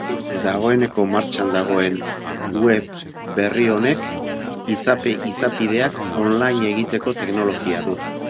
Dagoeneko martxan dagoen web berri honek izapideak online egiteko teknologia du.